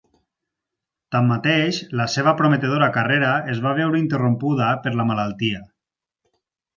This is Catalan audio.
Tanmateix, la seva prometedora carrera es va veure interrompuda per la malaltia.